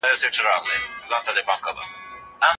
ځينې کورنۍ د واده مصارف کموي.